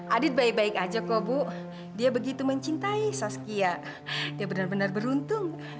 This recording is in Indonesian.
adit baik baik aja kok bu dia begitu mencintai saskia dia benar benar beruntung